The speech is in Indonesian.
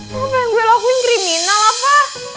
lo pengen gue lakuin kriminal apa